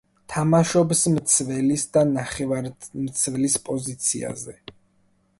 თამაშობს მცველის და ნახევარმცველის პოზიციაზე.